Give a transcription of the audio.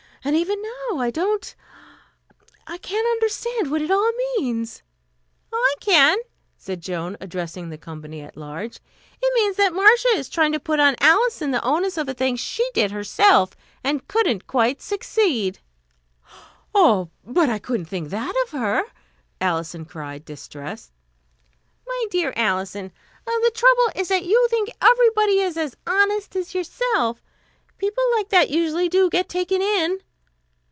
And even now I don't I can't understand what it all means." "I can," said Joan, addressing the company at large. "It means that Marcia is trying to put on Alison the onus of a thing she did herself, and couldn't quite succeed." "Oh, but I couldn't think that of her," Alison cried, distressed. "My dear Alison, the trouble is that you think everybody is as honest as yourself. People like that usually do get taken in."